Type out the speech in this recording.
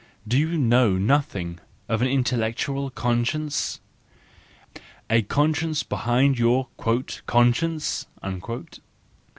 Do you know nothing of an intellectual conscience? A conscience behind your "conscience"?